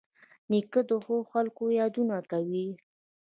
نیکه د ښو خلکو یادونه کوي.